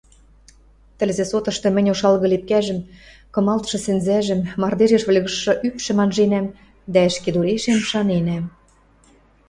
Тӹлзӹ сотышты мӹнь ошалгы лепкӓжӹм, кымалтшы сӹнзӓжӹм, мардежеш выльгыжшы ӱпшӹм анженӓм дӓ ӹшкедурешем шаненӓм: